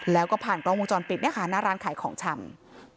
แล้วก็ผ่านกล้องวงจรปิดเนี่ยค่ะหน้าร้านขายของชำ